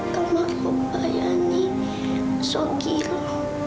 kemah eckhwa payahni sogila